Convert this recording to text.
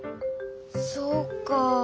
そうか。